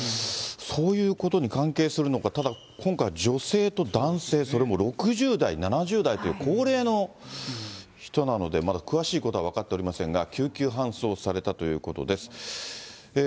そういうことに関係するのか、ただ、今回は女性と男性、それも６０代、７０代という高齢の人なので、まだ詳しいことは分かっておりませんが、救急搬送されたということです。